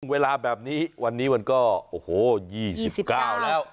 เวลาแบบนี้วันนี้วันก็โอ้โหยี่สิบเก้าแล้ว